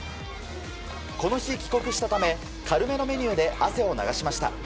この日、帰国したため軽めのメニューで汗を流しました。